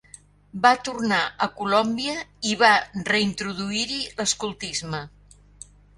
Va tornar a Colòmbia i va reintroduir-hi l'escoltisme.